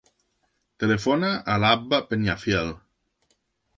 Telefona a l'Abba Peñafiel.